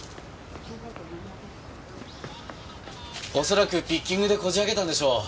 恐らくピッキングでこじ開けたんでしょう。